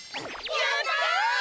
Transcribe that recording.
やった！